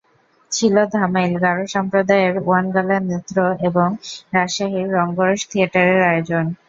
ছিল ধামাইল, গারো সম্প্রদায়ের ওয়ান গালা নৃত্য এবং রাজশাহীর রঙ্গরস থিয়েটারের আয়োজন।